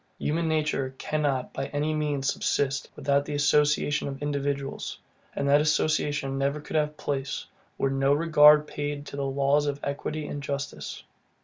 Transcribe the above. Human nature cannot by any means subsist, without the association of individuals; and that association never could have place, were no regard paid to the laws of equity and justice.